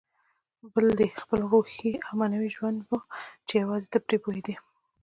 بل دې خپل روحي او معنوي ژوند و چې یوازې ته پرې پوهېدې.